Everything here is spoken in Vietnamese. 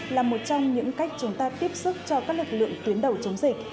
là một trong những cách chúng ta tiếp sức cho các lực lượng tuyến đầu chống dịch